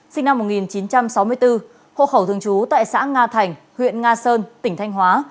sinh năm một nghìn chín trăm sáu mươi bốn hộ khẩu thường trú tại xã nga thành huyện nga sơn tỉnh thanh hóa